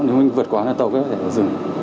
nếu mình vượt quá là tàu có thể dừng